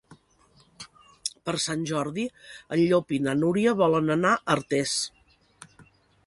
Per Sant Jordi en Llop i na Núria volen anar a Artés.